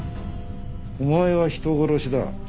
「お前は人殺しだ」